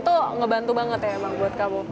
tuh ngebantu banget ya emang buat kamu